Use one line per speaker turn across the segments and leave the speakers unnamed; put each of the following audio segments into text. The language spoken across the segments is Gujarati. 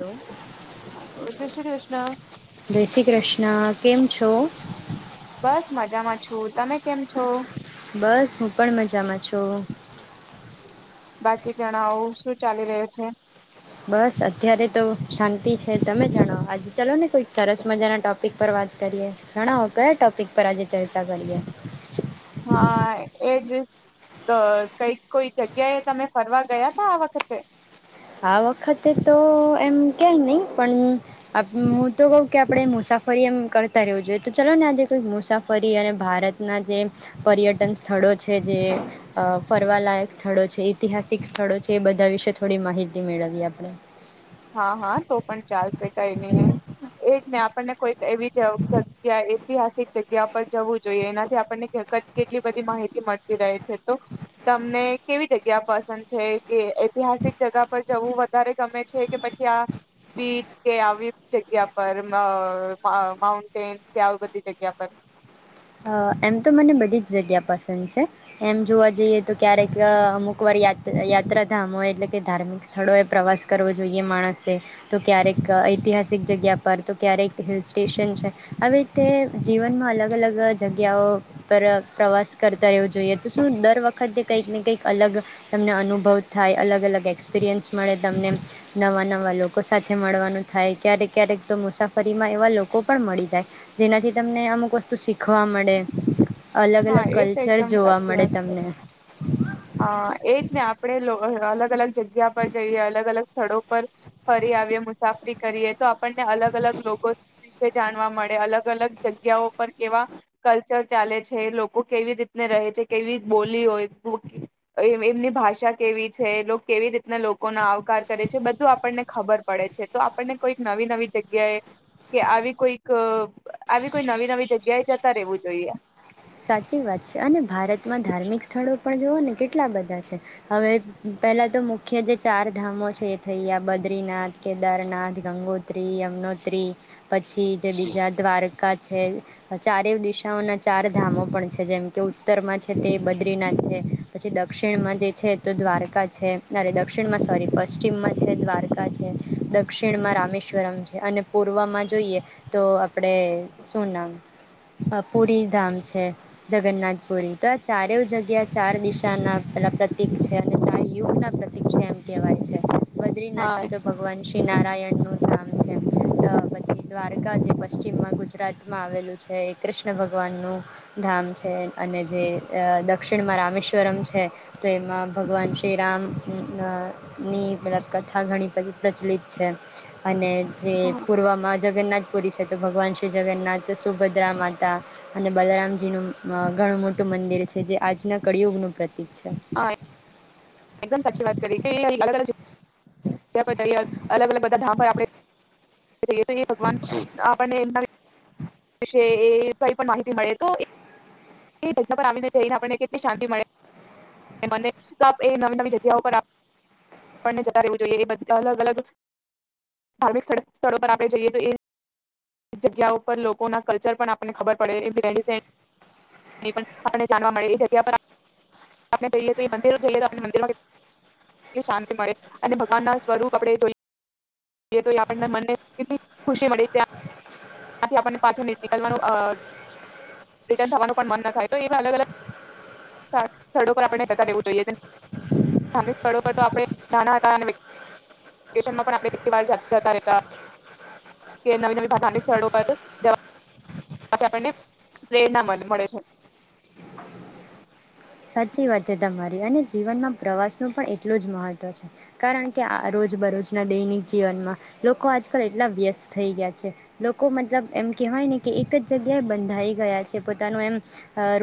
હલો
હલો જય શ્રી કૃષ્ણ
જય શ્રી કૃષ્ણ. કેમ છો?
બસ મજામાં છું, તમે કેમ છો?
બસ હું પણ મજામાં છું.
બાકી જણાવો શું ચાલી રહ્યું છે?
બસ અત્યારે તો શાંતિ છે તમે જણાવો આજે ચાલો ને કોઈક સરસ મજાના ટોપિક પર વાત કરીએ જણાવો કયા ટોપિક પર આજે ચર્ચા કરીએ
હા એજ કઈક કોઈ જગ્યાએ તમે ફરવા ગયા તા આ વખતે?
આ વખતે તો એમ ક્યાંય નહીં પણ હું તો કહું કે આપણે મુસાફરી એમ કરતા રહેવું જોઈએ તો ચાલો ને આજે કંઈક મુસાફરી અને ભારતના જે પર્યટન સ્થળો છે જે ફરવાલાયક સ્થળો છે ઐતિહાસિક સ્થળો છે એ બધા વિશે થોડી માહિતી મેળવીએ આપણે.
હા હા તો પણ ચાલશે કઈ નઈ એમ એજ ને આપણને કોઈક એવી જગ્યા ઐતિહાસિક જગ્યા પર જવું જોઈએ એનાથી આપણને કેટલી બધી માહિતી મળતી રહે છે તો તમને કેવી જગ્યા પસંદ છે કે ઐતિહાસિક જગ્યા પર જવું વધારે ગમે છે કે પછી આ બીચ કે આવી જગ્યા પર માઉન્ટેન કે આવી બધી જગ્યા પર?
અ એમ તો મને બધી જ જગ્યા પસંદ છે એમ જોવા જઈએ તો ક્યારેક અમુકવાર યા યાત્રાધામો એટલે કે ધાર્મિક સ્થળોએ પ્રવાસ કરવો જોઈએ માણસે તો ક્યારેક ઐતિહાસિક જગ્યા પર તો ક્યારેક હિલ સ્ટેશન છે આવી રીતે જીવનમાં અલગ અલગ જગ્યાઓ પર પ્રવાસ કરતા રહેવું જોઈએ તો શું દર વખતે કંઈક ને કંઈક અલગ તમને અનુભવ થાય અલગ અલગ એક્સપિરિયન્સ મળે તમને નવા નવા લોકો સાથે મળવાનું થાય ક્યારેક ક્યારેક તો મુસાફરીમાં એવા લોકો પણ મળી જાય જેનાથી તમને અમુક વસ્તુ શીખ શીખવા મળે. અલગ
હા
અલગ
એ તો
કલ્ચર
એકદમ
જોવા મળે તમને.
હ એજ ને આપણે અલગ અલગ જગ્યા પર જઈએ અલગ અલગ સ્થળો પર ફરી આવીએ મુસાફરી કરીએ તો આપણને અલગ અલગ લોકો વિશે જાણવા મળે અલગ અલગ જગ્યાઓ પર કેવા કલ્ચર ચાલે છે લોકો કેવી રીતને રહે છે કેવી બોલી હોય એમની ભાષા કેવી છે કેવી રીતના લોકોનો આવકાર કરે છે બધું આપણને ખબર પડે છે તો આપણને કોઈક નવી નવી જગ્યાએ કે આવી કોઈક આવી કોઈ નવી નવી જગ્યાએ જતા રહેવું જોઈએ
સાચી વાત છે અને ભારતમાં ધાર્મિક સ્થળો પણ જોઓ ને કેટલા બધા છે હવે પહેલા તો મુખ્ય જે ચાર ધામો છે એ થઈયા બદ્રીનાથ, કેદારનાથ, ગંગોત્રી, યમનોત્રી પછી જે બીજા દ્વારકા છે ચારે દિશાઓના ચાર ધામો પણ છે જેમ કે ઉત્તરમાં છે તે બદ્રીનાથ છે પછી દ દક્ષિણમાં જે છે તો દ્વારકા છે, તરે દક્ષિણમાં સોરી પશ્ચિમમાં છે દ્વારકા છે, દક્ષિણમાં રામેશ્વરમ છે અને પૂર્વમાં જોઈએ તો આપણે શું નામ પુરીધામ છે. છે જગન્નાથપુરી તો આ ચારેય જગ્યા ચાર દિશાના પેલા પ્રતિક છે અને ચાર યુગના પ્રતિક છે, એમ કહેવાય છે.
હા
બદ્રીનાથ છે તો ભગવાન શ્રી શ નારાયણનું ધામ છે પછી દ્વારકા જે પશ્ચિમમાં ગુજરાતમાં આવેલું છે એ કૃષ્ણ ભગવાનનું ધામ છે અને જે દક્ષિણમાં રામેશ્વરમ છે તો એમાં ભગવાન શ્રીરામની મતલબ કથા ઘણી પ્રચલિત છે. અને જે પૂર્વમાં જગન્નાથપુરી છે તો ભગવાન શ્રી જગન્નાથ સુભદ્રા માતા અને બલરામ જીનું ઘણું મોટું મંદિર છે જે આજના કળિયુગનું પ્રત્ય ઠીક છે.
હા એકદમ સાચી વાત કરી કે અલગ અલગ અલગ અલગ બધા ધામ પર આપણે થઈએ તો એ ભગવાન આપણને એમના વિશે એ કઈ પણ માહિતી મળે તો ઘટના પર આવીને જઈને આપને કેટલી શાંતિ મળે મનને. એ નવી નવી જગ્યા પર આપણને જતા રહેવું જોઈએ એ બધા અલગ અલગ ધાર્મિક સ્થળો પર આપણે જઈએ તો એ જગ્યા પર લોકોના કલ્ચર પણ આપણને ખબર પડે આપ જાણવા મળે એ જગ્યા પર આપણે જઈએ તો એ મિરો જઈએ. ાંતિ મળે અને ભગવાન ના સ્વરૂપ આપણે જો તો મ કેટલી ખુશી મળે તથી આપને પાછુંનીકળવાનુંનું મન થાય તો એ અલગ અલગ સ્થળો પર આપ જતા રહેેવું જોઈએ. ધાર્મિક સ્થળો પર તો આપ નાણા હતાતા નવી ન ધાર્મિક સ્થળો પર પ્રેરણા મળે છે.
સાચી વાત છે તમારી અને જીવનમાં પ્રવાસનું પણ એટલું જ મહત્ત્વ છે કારણ કે આ રોજ બરોજના દૈનિક જીવનમાં લોકો આજકાલ એટલા વ્યસ્ત થઈ ગયા છે લોકો મતલબ એમ કહેવાય ને કે એક જ જગ્યાએ બંધાઈ ગયા છે પોતાનું એમ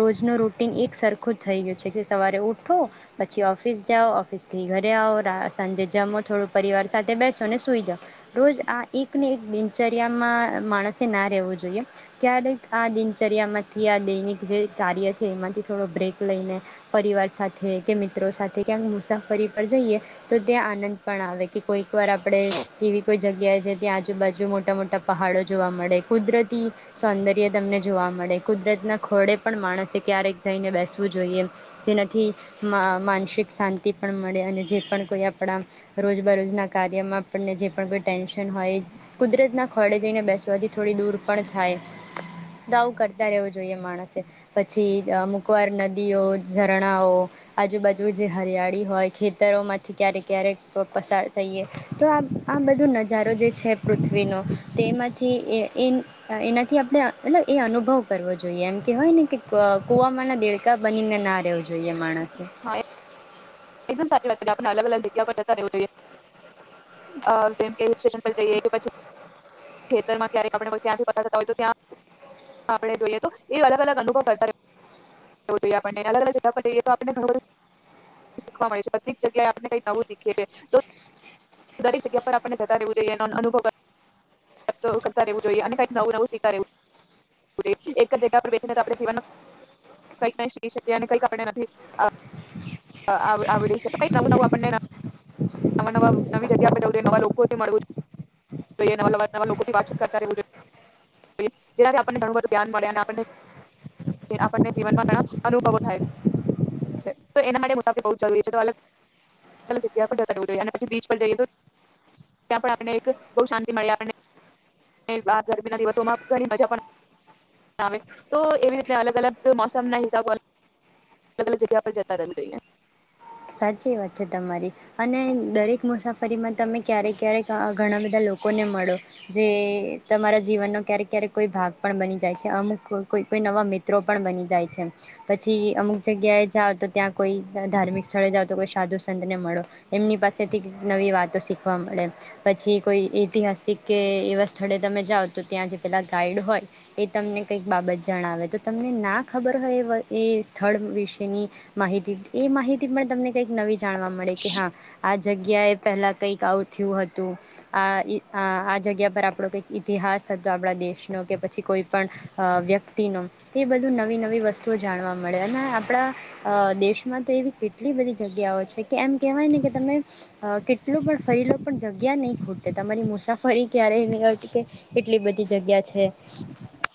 રોજનું રૂટીન એક સરખ આખું થઈ ગયું છે કે સવારે ઉઠો પછી ઓફિસ જાઓ ઓફિસથી ઘરે આવઓ રા સાંજે જમો થોડું પરિવાર સાથે બેસો અને સુઈ જાઓ રોજ આ એક ને એક દિનચર્યામાં માણસે ના રહેવું જોઈએ ત્યારેક આ દિનચર્યામાંથી આ દૈનિક જે કાર્ય છે એમાંથી થોડો બ્રેક લઈને પરિવાર સાથે કે મિત્રો સાથે ક્યાંક મુસાફરી પર જઈએ તો ત્યાં આનંદ પણ આવે કે કોઈક વાર આપડે એવી કોઈ જગ્યાએ જે ત્યાં આજુબાજુ મોટા મોટા પહાડો જોવા મળે કુદરતી સૌંદર્ય તમને જોવા મળે કુદરતના ખોડે પણ માણસે ક્યારેક જઈને બેસ જોઈએ જેનાથી માનસિક શાંતિ પણ મળે અને જે પણ કોઈ આપણા રોજબરોજના કાર્યમાં આપણને જે પણ કોઈ ટેન્શન હોય કુદરતના ખોળે જઈને બેસવાથી થોડી દૂર પણ થાય તો આવું કરતા રહેવું જોઈએ માણસે પછી અમુક વાર નદી નદીઓ ઝરણાઓ આજુબાજુ જે હરિયાળી હોય ખેતરોમાંથી ક્યારેક ક્યારેક પસાર થઈએ તો આ આ બધો નજારો જે છે પૃથ્વીનો તેમાંથી એ એનાથી આપણે મતલબ એ અનુભવ કરવો જોઈએ એમ કે હોય ને કે કુવામાંના દેડ કા બનીને ના રહેવું જોઈએ માણસે
હા એકદમ સચી વાત, આપણને અલગ અલગ જગ્યા પર જતા રહેવું જોઈએ, અ જેમ હિલ સેશન પર જઈએ કે પછી ખેતરમાં ક્યારેક આપણે ત્યાંથી પસાર થતા હોય તો ત્યા આપડે જોઈએ તો એવ અલગ અલગ અનુભવ કરતા રે વું જોઈએ, આપણને અલગ અલગ જગ્યા પર જઈએ તો આપણને ઘણું બધુ શીખવા મળે છે, બધી જ જગ્યાએ આપણને કઈ નવું શીખીએ છે, તો દરેક જગ્યા પર આપણને જતા રહેવું જોઈએ, એનો અનુભવ કર [unintelligible] કરતા રહેવું જોઈએ અને કઈક નવું નવું સીખતા રેવું જોઈએ, એક જ જગ્યા પર બેસીને તો આપણે જીવનમાં કઈજ નઈ શીખી શકીએ અને કઈક આપણને નથી આ આ આ આવડી [unintelligible] કઈક નવું નવું આપણને ન મવા નવા નવી જગ્યાઆપે જવુ જોઈએ, નવા લોકોથી મડવુ જોઈએ, નવાનવા નવા લોકોથી વાતચીત કરતા રેવુ જોઈએ, જેનાથી આપણને ઘણુ બધુ જ્ઞાન મલે અને આપણને આપણને જીવનમાં ઘણા અનુભવો થાય છે. તો એના માટે મુસાફરી બહુ જ જરૂરી છે, તો અલગ અલગ અલગ જગ્યા પર જતા હોવું જોઈએ અને પછી બીચ પર જઈએ તો ત્યાં પણ આપણને એક બહુ શાંતિ મળે આપણને ગરમીના દિવસોમાં ઘણી મજા પણ આવે, તો એવી રીતના અલગ અલગ મોસમના હિસાબો અલગ અલગ જગ્યા પર જ તા રેવુ જોઈએ.
સાચી વાત છે તમારી અને દરેક મુસાફરીમાં તમે ક્યારેક ક્યારેક ઘણા બધા લોકોને મળો, જે તમારા જીવનનો ક્યારેક ક્યારેક કોઈ ભાગ પણ બની જાય છે, અમુક કો કોઈ નવા મિત્રો પણ બની જાય છે, પછી અમુક જગ્યાએ જાઓ તો ત્યાં કોઈ ધાર્મિક સ્થળે જાઓ તો કોઈ સાધુ સંતને મળો, એમની પાસેથી કંઈક નવી વાતો શીખવા મળે, પછી કોઈ ઐતિહાસિક કે એવા સ્થળે તમે જાઓ તો ત્યાં જે પેલાં ગાઈડ હોય એ તમને કંઈક બાબત જણાવે, તો તમને ના ખબર હોય એ એ સ્થળ વિશેની માહિતી એ માહિ થી પણ તમને કંઈક નવી જાણવા મળે કે હા આ જગ્યાએ પહેલાં કંઈક આવું થયું હતું, આ આ જગ્યા પર આપણો કંઈક ઇતિહાસ હતો આપણા દેશનો કે પછી કોઈ પણ વ્યક્તિનો, તે એ બધું નવી નવી વસ્તુઓ જાણવા મળે અને આપણા અ દેશમાં તો એવી કેટ ટલી બધી જગ્યાઓ છે કે એમ કહેવાય ને કે તમે કેટલો પણ ફરી લો પણ જગ્યા નઈ ખૂટે, તમારી મુસાફરી ક્યારેય નીકળતી કે એટલી બધી જગ્યા છે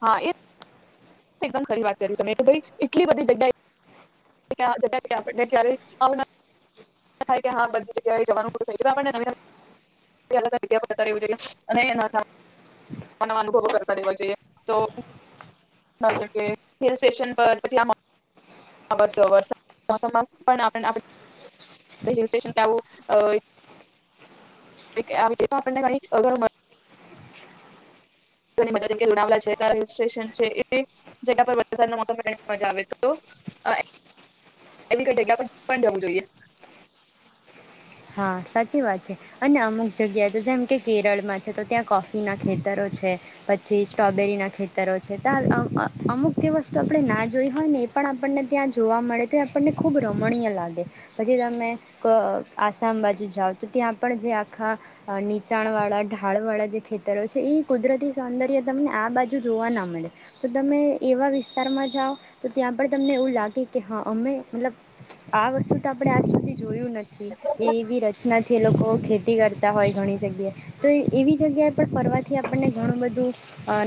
હા એ એકદમ ખરી વાત કરી તમે કે ભઈ એટલી બધી જગ્યા ક્યા જગ્યા [unintelligible] થાય કે હા બધી જગ્યાએ જવાનું થઈ ગ્યુ, આપણને નવી નવી. [unintelligible] જતા રેવુ જોઈએ અને એના [unintelligible] અનુભવો કરતા રેવા જોઈએ તો [unintelligible] હિલ સ્ટેશન પર પછી આ [unintelligible] મોસમ મા પણ આપ [unintelligible] કે આવુ [unintelligible] આપણને [unintelligible] [unintelligible] જેમ કે લોનાવલા છે [unintelligible] આવે તો [unintelligible] પર પણ જવું જોઈએ
હા સાચી વાત છે અને અમુક જગ્યાએ તો જેમ કે કેરળમાં છે તો ત્યાં કોફીના ખેતરો છે, પછી સ્ટ્રોબેરીના ખેતરો છે, તો અમુક જે વસ્તુ આપણે ના જોઈ હોય ને એ પણ આપણને ત્યાં જોવા મળે તો આપણને ખૂબ રમણીય લાગે પછી તમે ક આસામ બાજુ જાઓ તો ત્યાં પણ જે આખા નીચાણવાળા ઢાળવાળા જે ખેતરો છે એ કુદરતી સૌંદર્ય તમને આ બાજુ જોવા ના મળે, તો તમે એવા વિસ્તારમાં જાવ તો ત્યાં પણ તમને એવું લાગે કે હા અમે મતલબ આ વસ્તુ તો આપણે આજ સુધી જોઈ થી એ એવી રચના થી એ લોકો ખે તી કરતા હોય, ઘણી જગ્યાએ તો એવી જગ્યાએ પણ ફરવાથી આપણને ઘણું બધું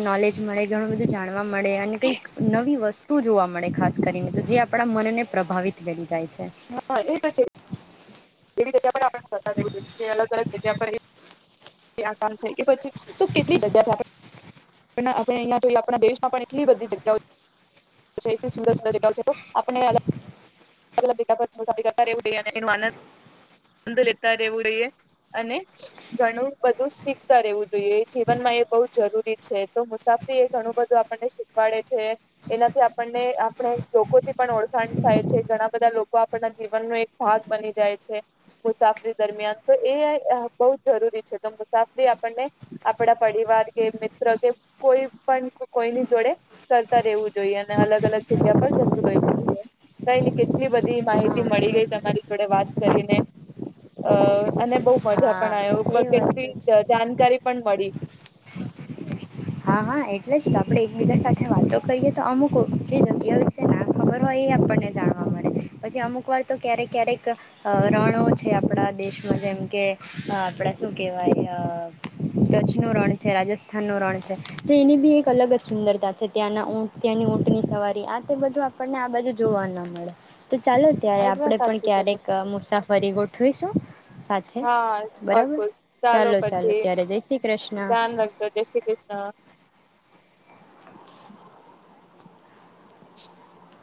નોલેજ મળે, ઘણું બધું જાણવા મળે અને કઈક નવી વસ્તુ તું જોવા મળે ખાસ કરીને, તો જે આપણા મનને પ્રભાવિત વેળ જાય છે.
હા, એતો છે. એવી જગ્યા પણ [unintelligible] અલગ અલગ જગ્યા પર એ એ આસામ છે કે પછી તો કેટલી જગ્યા છે આપણે આપ અહિયાં જો આપણા દેશમાં પણ એટલી બધી જગ્યા ઓ છે, કેટલી સુંદર સુંદર જગ્યાઓ છે કે આપણે અલગ અલગ જગ્યા મુસાફરી કરતા રહેવું જોઈએ ને એનો આનંદ લેતા રહેવું જોઈએ અને ઘણું બધું શીખતા રહેવું જોઈએ જીવનમાં એ બહ જરૂરી છે, તો મુસાફરી એ ઘણું બધું આપણને શીખવાડે છે, એનાથી આપણને આપણે લોકોથી પણ ઓળખાણ થાય છે. ઘણા બધા લોકો આપડા જીવનનો એક ભાગ બની જય છે મુસાફરી દરમિયાન તો એ બહ જરૂરી છે, તો મુસાફરી આપણને આપડા પરિવાર કે મિત્ર કે કોઈ પણ કોઈની જોડે ફરતા રહેવું જોઈએ અને અલગ અલગ જગ્યા પર જતું રહેવું જોઈએ. કઈ ન કેટલી બધી માહિતી મળી ગઈ તમારી જોડે વાત કરીને અહ અને બહુ મજા
હા
પણ
એ
આવ્યો,
વાત
કેટલી
તો છે.
જાણકારી પણ મળી
હા, હા, એટલેજ આપડે એકબીજા સાથે વાતો કરીએ તો અમુક જે જગ્યાઓ છે ના ખબર હોય એ આપણને જાણવા મળે, પછી અમુક વાર તો ક્યારેક ક્યારેક રણો છે આપણા દેશમાં, જેમ કે આપડા શું કેહેવાય કચ્છનું રણ છે, રાજસ્થાનનું રણ છે. તો એની બી એક અલગ જ સુંદરતા છે ત્યાંના ઉટ ત્યાંની ઊંટ ની સવારી આતો આ બધું આપણને આ બાજુ જોવા ના મળે. તો ચાલો ત્યારે
એકદમ
આપડે પણ
સાચું
ક્યારેક
કર્યું
મુસાફ રી ગોઠવીસું
હા પાક ચાલો પછી
ત્યારે જય શ્રી કૃષ્ણ
ધ્યાન રાખજો જય શ્રી કૃષ્ણ.
અચ
[inaudible]